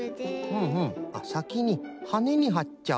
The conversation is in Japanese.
ふんふんさきにはねにはっちゃう。